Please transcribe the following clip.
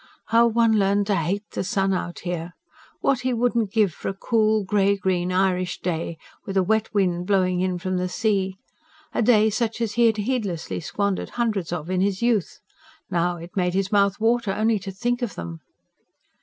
How one learnt to hate the sun out here. What wouldn't he give for a cool, grey green Irish day, with a wet wind blowing in from the sea? a day such as he had heedlessly squandered hundreds of, in his youth. Now it made his mouth water only to think of them.